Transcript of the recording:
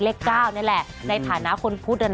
เลข๙นี่แหละในฐานะคนพุทธ